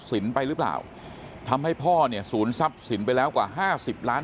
ไปหรือเปล่าทำให้พ่อเนี่ยศูนย์ทรัพย์สินไปแล้วกว่าห้าสิบล้าน